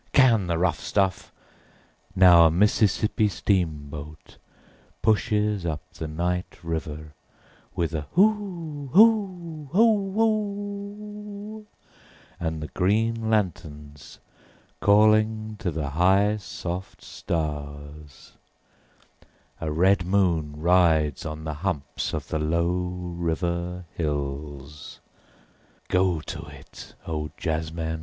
Can the rough stuff … now a Mississippi steamboat pushes up the night river with a hoo hoo hoo oo … and the green lanterns calling to the high soft stars … a red moon rides on the humps of the low river hills … go to it, O jazzmen.